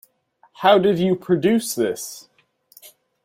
How did you produce this?